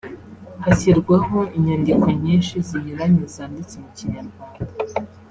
hashyirwaho inyandiko nyinshi zinyuranye zanditse mu Kinyarwanda”